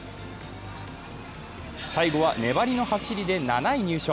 最後は粘りの走りで７位入賞。